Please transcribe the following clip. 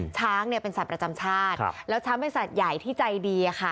ช้างเนี่ยเป็นสัตว์ประจำชาติแล้วช้างเป็นสัตว์ใหญ่ที่ใจดีอะค่ะ